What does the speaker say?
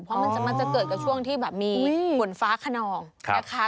เพราะมันจะเกิดกับช่วงที่แบบมีฝนฟ้าขนองนะคะ